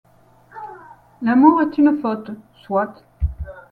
L’amour est une faute ; soit.